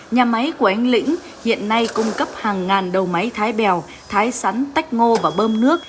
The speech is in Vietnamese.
nhà máy của anh lĩnh hiện nay cung cấp hàng ngàn đầu máy thái bèo thái sắn tách ngô và bơm nước